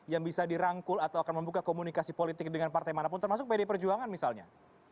yang bisa dirangkul atau akan membuka komunikasi politik dengan partai manapun termasuk pd perjuangan misalnya